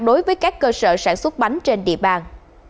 đối với các cơ sở sản xuất bánh trên địa bàn